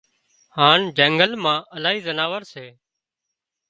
هانَ جنگل مان الاهي زناور سي